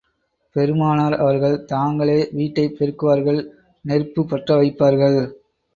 பெருமானார் அவர்கள் தாங்களே வீட்டைப் பெருக்குவார்கள் நெருப்புப் பற்ற வைப்பார்கள்.